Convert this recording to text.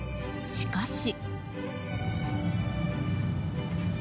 しかし。